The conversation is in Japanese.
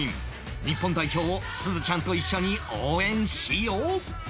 日本代表をすずちゃんと一緒に応援しよう！